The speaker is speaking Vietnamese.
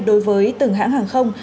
đối với từng hãng hàng không